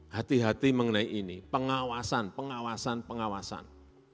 hati hati mengenai ini pengawasan pengawasan pengawasan